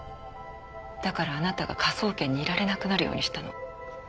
だからあなたが科捜研にいられなくなるようにしたの。